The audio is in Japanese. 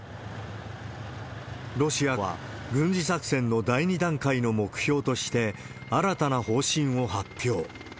ロシアは、軍事作戦の第２段階の目標として、新たな方針を発表。